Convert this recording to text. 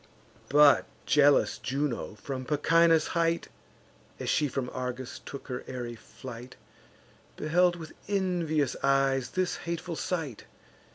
But jealous Juno, from Pachynus' height, As she from Argos took her airy flight, Beheld with envious eyes this hateful sight.